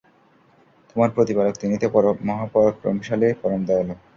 তোমার প্রতিপালক, তিনি তো পরাক্রমশালী, পরম দয়ালু।